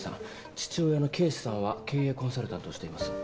父親の啓士さんは経営コンサルタントをしています。